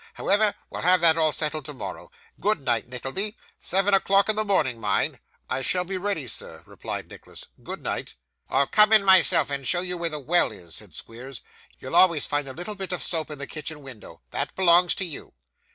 However, we'll have that all settled tomorrow. Good night, Nickleby. Seven o'clock in the morning, mind.' 'I shall be ready, sir,' replied Nicholas. 'Good night.' 'I'll come in myself and show you where the well is,' said Squeers. 'You'll always find a little bit of soap in the kitchen window; that belongs to you.